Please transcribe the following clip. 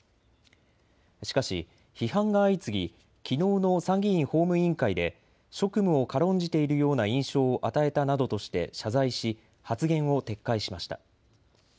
しかし批判が相次ぎ、きのうの参議院法務委員会で職務を軽んじているような印象を与えたなどとして謝罪し発言を撤回しました。